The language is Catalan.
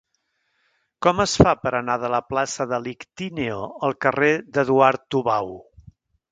Com es fa per anar de la plaça de l'Ictíneo al carrer d'Eduard Tubau?